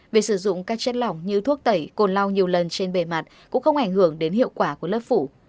việc sử dụng các chất lỏng như thuốc tẩy côn lau nhiều lần trên bề mặt cũng không ảnh hưởng đến hiệu quả của lớp phủ